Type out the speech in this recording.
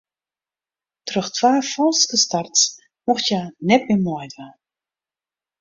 Troch twa falske starts mocht hja net mear meidwaan.